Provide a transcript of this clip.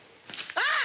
あっ！